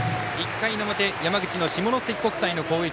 １回の表、山口の下関国際の攻撃。